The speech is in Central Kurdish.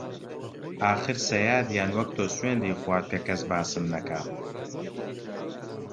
ئاخر سەیادیان وەک تۆ سوێندی خوارد کە کەس باسم نەکا